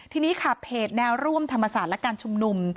ทีนี้ค่ะเพจแนวร่วมธรรมศาสตร์และการชุมนุม